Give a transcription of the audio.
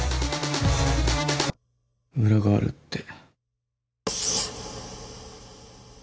裏があるって。